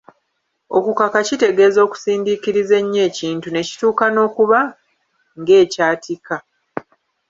Okukaka kitegeeza okusindiikiriza ennyo ekintu ne kituuka n’okuba ng’ekyatika.